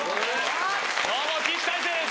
どうも岸大誠です